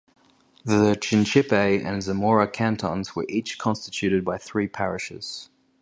The Chinchipe and Zamora cantons were each constituted by three parishes.